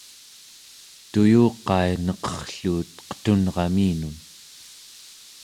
tuyuqai neqerrluut qetunraminun